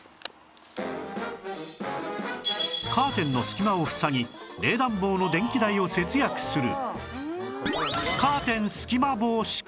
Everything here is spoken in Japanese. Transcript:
カーテンの隙間をふさぎ冷暖房の電気代を節約する